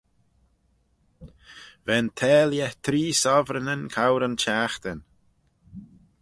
Va'n tailley tree sovereignyn cour yn çhiaghtin.